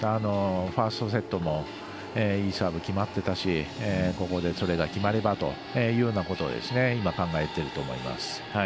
ファーストセットもいいサービス決まってたしここでそれが決まればというようなことを今考えてると思います。